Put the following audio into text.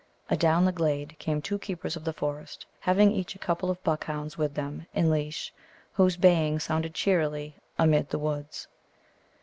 Adown the glade came two keepers of the forest, having each a couple of buckhounds with them in leash, whose baying sounded cheerily amid the woods.